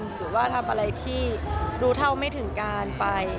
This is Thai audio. หรือว่าทำอะไรที่รู้เท่าไม่ถึงการไป